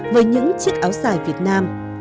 với những chiếc áo dài việt nam